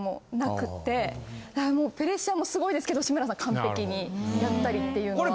プレッシャーもすごいですけど志村さん完璧にやったりっていうのは。